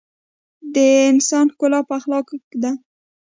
د انسان ښکلا په اخلاقو ده.